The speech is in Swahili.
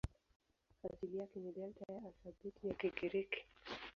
Asili yake ni Delta ya alfabeti ya Kigiriki.